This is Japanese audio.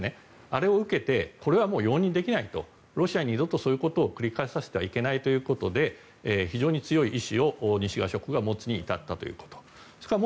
あれを受けてこれは容認できないとロシアに二度とそういうことを繰り返させてはいけないということで非常に強い意志を西側諸国が持つに至ったということ。